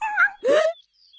えっ！